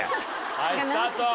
はいスタート。